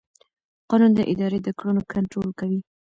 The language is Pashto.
قانون د ادارې د کړنو کنټرول کوي.